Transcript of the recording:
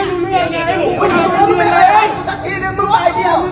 ทำไมถามแบบนี้